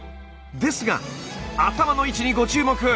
ですが頭の位置にご注目！